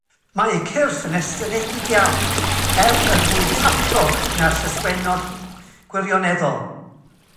Mae eu cyrff yn estynedig iawn, er yn fwy taprog na llyswennod gwirioneddol.